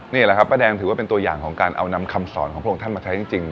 นี่แหละครับป้าแดงถือว่าเป็นตัวอย่างของการเอานำคำสอนของพระองค์ท่านมาใช้จริง